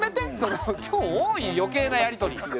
今日多い余計なやり取り。